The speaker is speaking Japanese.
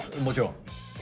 もちろん。